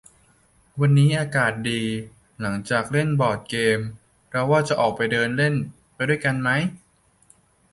วันนี้อากาศดี หลังจากเล่นบอร์ดเกม เราว่าจะออกไปเดินเล่น ไปด้วยกันไหม